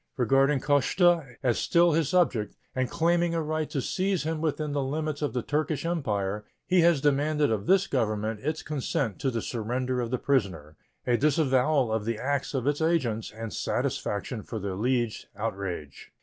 Regarding Koszta as still his subject, and claiming a right to seize him within the limits of the Turkish Empire, he has demanded of this Government its consent to the surrender of the prisoner, a disavowal of the acts of its agents, and satisfaction for the alleged outrage.